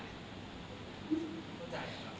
เข้าใจ